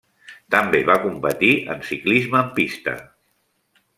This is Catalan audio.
També va competir en ciclisme en pista.